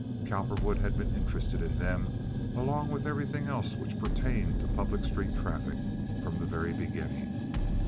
Cowperwood had been interested in them, along with everything else which pertained to public street traffic, from the very beginning.